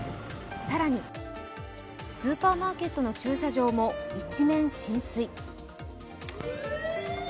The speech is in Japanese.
更に、スーパーマーケットの駐車場も一面浸水。